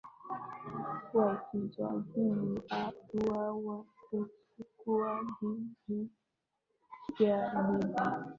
wakijadili hatua ya kuchukua dhidi ya libya